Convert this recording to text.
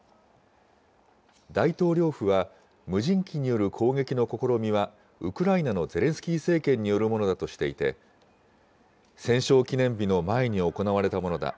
大統領府は、無人機による攻撃の試みはウクライナのゼレンスキー政権によるものだとしていて、戦勝記念日の前に行われたものだ。